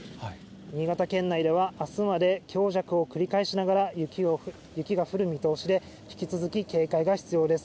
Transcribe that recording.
新潟県内ではあすまで、強弱を繰り返しながら雪が降る見通しで、引き続き警戒が必要です。